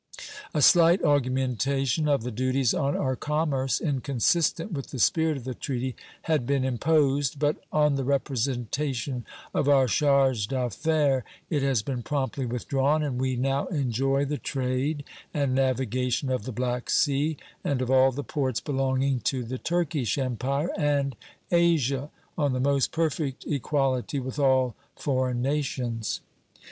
A slight augmentation of the duties on our commerce, inconsistent with the spirit of the treaty, had been imposed, but on the representation of our charge d'affaires it has been promptly withdrawn, and we now enjoy the trade and navigation of the Black Sea and of all the ports belonging to the Turkish Empire and Asia on the most perfect equality with all foreign nations.